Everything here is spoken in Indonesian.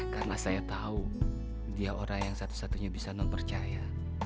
karena saya tahu dia orang yang satu satunya bisa non percaya